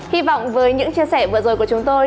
hy vọng với những chia sẻ vừa rồi của chúng tôi